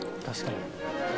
確かに。